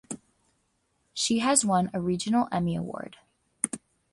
She has won a regional Emmy Award.